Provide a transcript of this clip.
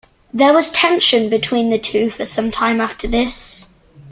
There was tension between the two for some time after this.